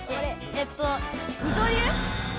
えっと二刀流！